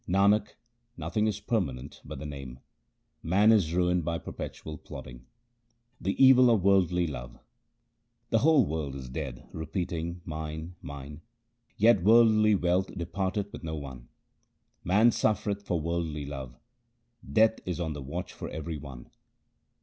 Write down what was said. Nanak, nothing is permanent but the Name ; man is ruined by perpetual plodding. The evil of worldly love :— The whole world is dead repeating ' Mine, mine yet worldly wealth departeth with no one. Man suffereth for worldly love ; Death is on the watch for every one.